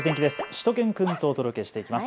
しゅと犬くんとお届けしていきます。